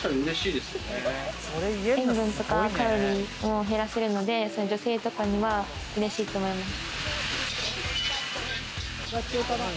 塩分とかカロリーを減らせるので、女性とかには嬉しいと思います。